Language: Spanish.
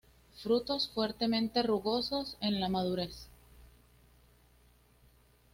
Frutos fuertemente rugosos en la madurez.